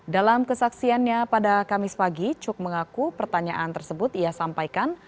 dalam kesaksiannya pada kamis pagi cuk mengaku pertanyaan tersebut ia sampaikan